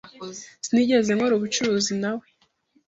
Sinigeze nkora ubucuruzi nawe .